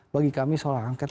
bagi kami soal angket